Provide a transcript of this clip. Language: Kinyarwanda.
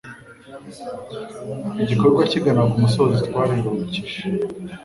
igikorwa kigana ku musozo twariruhukije